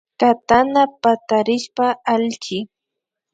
Katana patarishpa allchi